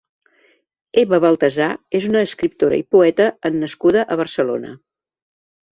Eva Baltasar és una escriptora i poeta en nascuda a Barcelona.